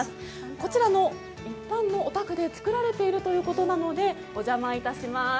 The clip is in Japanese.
こちらの一般のお宅で作られているということなのでお邪魔いたします。